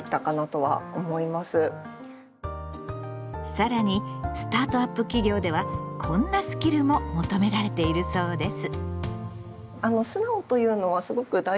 更にスタートアップ企業ではこんなスキルも求められているそうです。